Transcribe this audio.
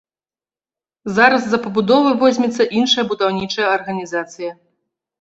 Зараз за пабудовы возьмецца іншая будаўнічая арганізацыя.